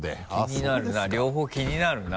気になるな両方気になるな。